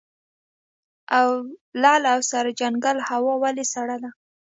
لعل او سرجنګل هوا ولې سړه ده؟